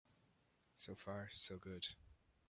So far so good.